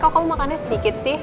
kamu makan sedikit